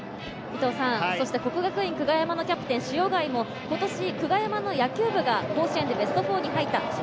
國學院久我山のキャプテン・塩貝も今年、久我山の野球部が甲子園でベスト４に入った。